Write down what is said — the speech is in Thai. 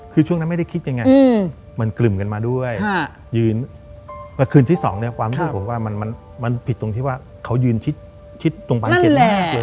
คือช่วงนั้นไม่ได้คิดยังไงมันกลึ่มกันมาด้วยยืนคืนที่สองเนี่ยความรู้สึกผมว่ามันผิดตรงที่ว่าเขายืนชิดตรงบังเก็ตแรก